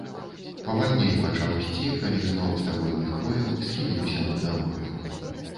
Павальней пачаў ісці, калі змрок стагодніх хвояў схіліўся над дарогаю.